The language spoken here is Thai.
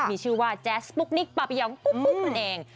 มีชื่อว่าแจ๊สปุ๊กนิกปับอย่างปุ๊กนั่นเอง